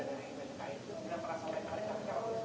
atau seperti apa yang berlaku dari media